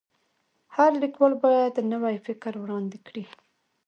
هر لیکوال باید نوی فکر وړاندي کړي.